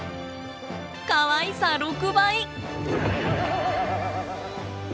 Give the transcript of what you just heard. かわいさ６倍！